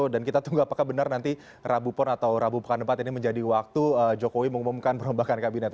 dan kita tunggu apakah benar nanti rabu porn atau rabu pekan depan ini menjadi waktu jokowi mengumumkan perombakan kabinet